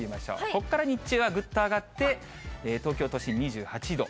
ここから日中はぐっと上がって、東京都心２８度。